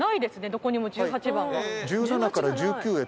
どこにも１８番が。